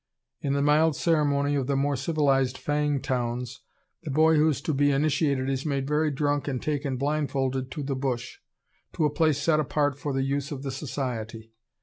In the mild ceremony of the more civilized Fang towns, the boy who is to be initiated is made very drunk and taken blindfolded to the bush, to a place set apart for the use of the society.